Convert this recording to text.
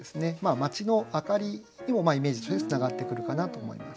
街の明かりにもイメージとしてつながってくるかなと思います。